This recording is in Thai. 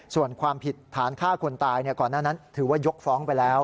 ส่วนความผิดฐานฆ่าคนตายก่อนหน้านั้นถือว่ายกฟ้องไปแล้ว